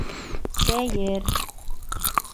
Сәйер.